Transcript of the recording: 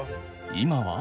今は？